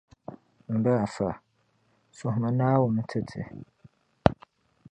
M ba afa, suhimi Naawuni n-ti ti.